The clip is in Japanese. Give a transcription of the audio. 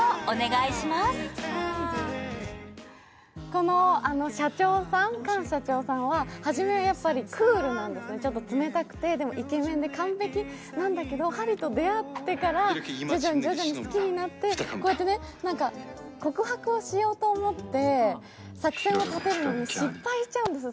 このカン社長さんははじめはクールなんですね、ちょっと冷たくて、でもイケメンで完璧なんだけど、ハリと出会ってから徐々に徐々に好きになって、こうやってね、何か告白をしようと思って作戦を立てるのに失敗しちゃうんです。